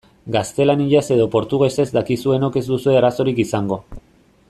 Gaztelaniaz edo portugesez dakizuenok ez duzue arazorik izango.